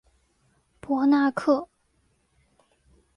博纳克。